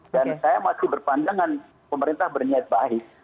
dan saya masih berpandangan pemerintah berniat baik